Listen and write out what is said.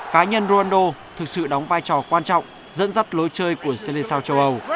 cá nhân ronaldo thực sự đóng vai trò quan trọng dẫn dắt lối chơi của xe lê sao châu âu